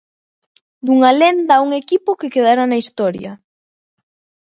Dunha lenda a un equipo que quedará na historia.